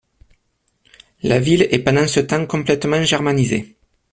La ville est pendant ce temps complètement germanisée.